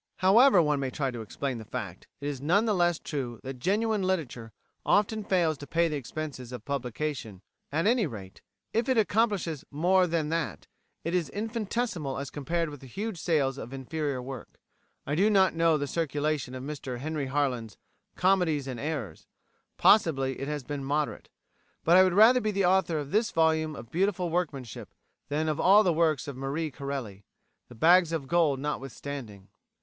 However one may try to explain the fact, it is none the less true that genuine literature often fails to pay the expenses of publication; at any rate, if it accomplishes more than that, it is infinitesimal as compared with the huge sales of inferior work. I do not know the circulation of Mr Henry Harland's "Comedies and Errors" possibly it has been moderate but I would rather be the author of this volume of beautiful workmanship than of all the works of Marie Corelli the bags of gold notwithstanding.